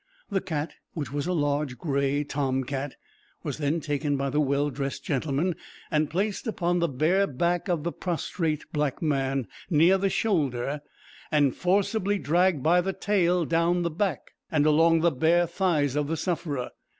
The cat, which was a large gray tom cat, was then taken by the well dressed gentleman, and placed upon the bare back of the prostrate black man, near the shoulder, and forcibly dragged by the tail down the back, and along the bare thighs of the sufferer.